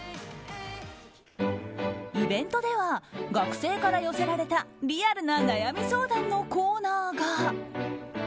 イベントでは学生から寄せられたリアルな悩み相談のコーナーが。